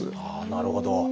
なるほど。